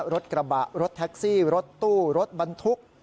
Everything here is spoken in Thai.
รถกระบะรถแท็กซี่รถตู้รถบรรทุก